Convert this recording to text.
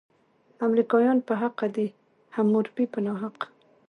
امریکایان په حقه دي، حموربي په ناحقه.